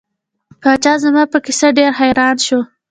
پاچا زما په کیسه ډیر حیران شو.